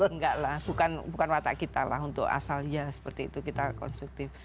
enggak lah bukan watak kita lah untuk asalnya seperti itu kita konstruktif